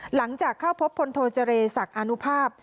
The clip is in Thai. หลังจากเข้าพบพลโทเจรศักดิ์อนุภาพ